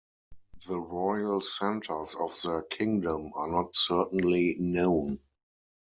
The royal centres of their kingdom are not certainly known.